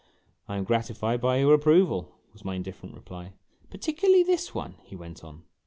o " I am gratified by your approval," was my indifferent reply. " Particularly this one," he went on.